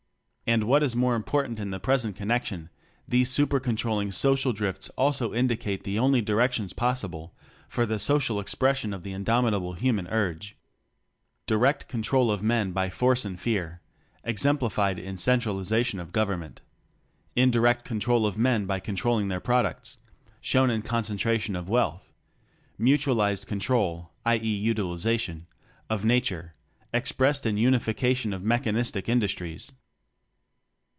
And what is more important in the present con nection, these super controlling social drifts also indicate the only directions possible for the social expression of this indomitable human urge: Direct control of men by force and fear exemplified in Centralization of Government; indirect control of men by controlling their products shown in Concentration of Wealth; mutual ized control (i. e., utilization) of Na ture expressed in Unification of Me chanistic Industries.